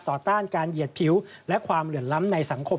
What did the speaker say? ต้านการเหยียดผิวและความเหลื่อมล้ำในสังคม